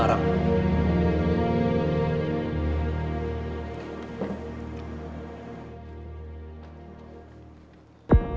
aku mau ke rumah